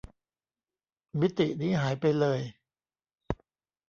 มิตินี้หายไปเลย